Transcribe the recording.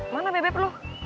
mana bebek lo